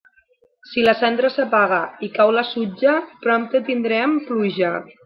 Si la cendra s'apaga i cau la sutja, prompte tindrem pluja.